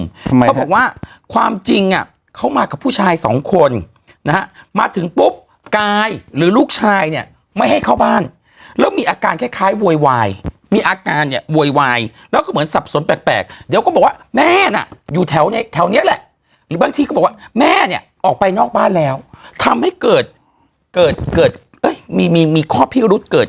ทำไมเขาบอกว่าความจริงอ่ะเขามากับผู้ชายสองคนนะฮะมาถึงปุ๊บกายหรือลูกชายเนี่ยไม่ให้เข้าบ้านแล้วมีอาการคล้ายคล้ายโวยวายมีอาการเนี่ยโวยวายแล้วก็เหมือนสับสนแปลกเดี๋ยวก็บอกว่าแม่น่ะอยู่แถวในแถวเนี้ยแหละหรือบางทีก็บอกว่าแม่เนี่ยออกไปนอกบ้านแล้วทำให้เกิดเกิดเกิดเอ้ยมีมีข้อพิรุษเกิด